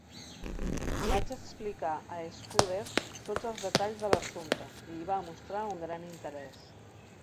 Vaig explicar a Scudder tots els detalls de l'assumpte, i hi va mostrar un gran interès.